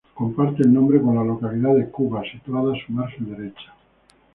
Comparte el nombre con la localidad de Cubas, situada a su margen derecha.